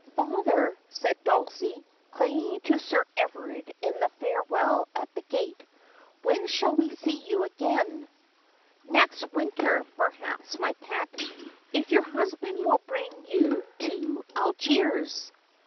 ' Father,' said Dulcie, clinging to Sir Everard in the farewell at the gate, ' when shall we see you again ]'' Next winter, perhaps, my pet. If your husband will bring you to Algiers.'